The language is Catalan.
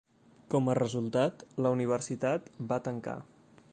Com a resultat, la universitat va tancar.